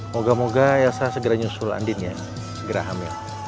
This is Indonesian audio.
moga moga elsa segera nyusul andin ya segera hamil